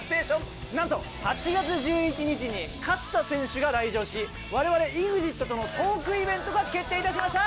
なんと８月１１日に勝田選手が来場し我々ＥＸＩＴとのトークイベントが決定致しました。